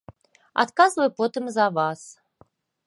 Адказвай потым за вас.